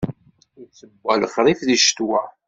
Ittewwa lexṛif di ccetwa.